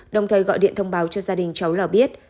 đồng thời gọi điện thông báo cho gia đình cháu là biết